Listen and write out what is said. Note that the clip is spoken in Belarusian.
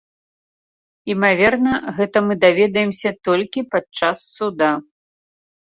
Імаверна, гэта мы даведаемся толькі падчас суда.